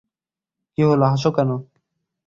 কি হল হাসো কেন?